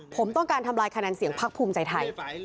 ผมต้องการทำลายคะแนนเสียงพักภูมิใจไทย